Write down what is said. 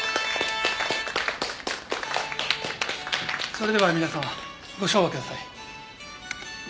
それでは皆様ご唱和ください。